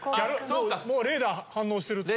もうレーダー反応してる。